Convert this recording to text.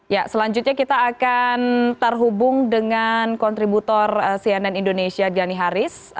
ya selanjutnya kita akan terhubung dengan kontributor cnn indonesia gani haris